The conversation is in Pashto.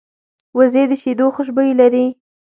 وزې د شیدو خوشبويي لري